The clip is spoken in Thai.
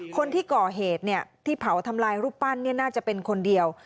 คนที่ก่อเหตุที่เผาทำลายรูปปั้นน่าจะเป็นคนเดียว